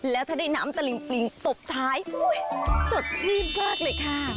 แล้วถ้าได้น้ำตลิ่งตบท้ายสดชีพมากเลยค่ะ